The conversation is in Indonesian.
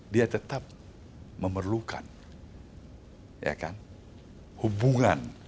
dia tetap memerlukan ya kan hubungan